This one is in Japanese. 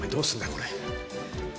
これ。